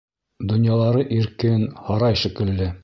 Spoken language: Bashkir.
Донъялары иркен, һарай шикелле.